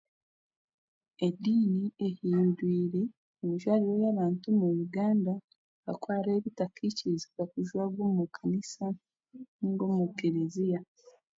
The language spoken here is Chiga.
Ediini ehindwire emijwarire y'abantu omu Uganda ahabwokuba hariho ebitakikirizibwa kujwarwa omu kanisa nainga omu kereziya